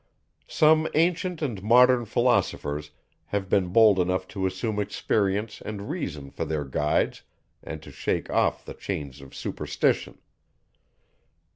Some ancient and modern philosophers have been bold enough to assume experience and reason for their guides, and to shake off the chains of superstition.